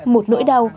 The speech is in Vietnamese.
một nỗi đau